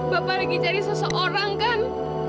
bapak lagi cari seseorang kan